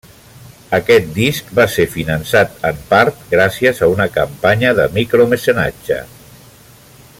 Aquest disc va ser finançat en part gràcies a una campanya de micromecenatge.